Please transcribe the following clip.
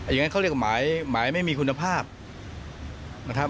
อย่างนั้นเขาเรียกว่าหมายไม่มีคุณภาพนะครับ